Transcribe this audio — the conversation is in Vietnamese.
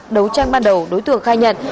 đấu tranh ban đầu đối tượng khai nhận